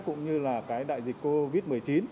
cũng như là cái đại dịch covid một mươi chín